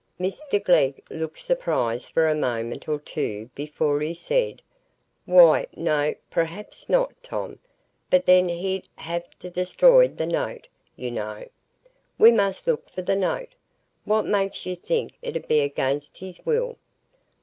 Mr Glegg looked surprised for a moment or two before he said: "Why, no, perhaps not, Tom; but then he'd ha' destroyed the note, you know. We must look for the note. What makes you think it 'ud be against his will?"